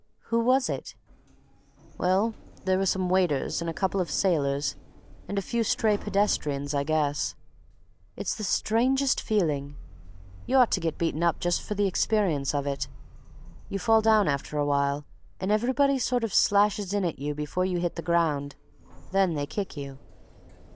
"Who was it?" "Well, there were some waiters and a couple of sailors and a few stray pedestrians, I guess. It's the strangest feeling. You ought to get beaten up just for the experience of it. You fall down after a while and everybody sort of slashes in at you before you hit the ground—then they kick you."